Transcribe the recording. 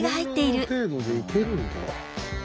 こんな程度でいけるんだ。